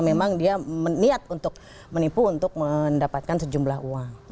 memang dia niat untuk menipu untuk mendapatkan sejumlah uang